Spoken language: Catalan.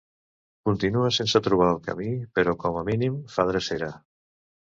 Continua sense trobar el camí, però com a mínim fa drecera.